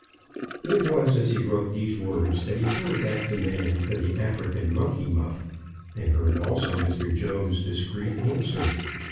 It was as he wrote these words that he heard that demand for the African monkey muff, and heard also Mr. Jones's discreet answer.